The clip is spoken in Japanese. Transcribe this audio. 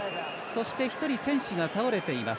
そして１人選手が倒れています。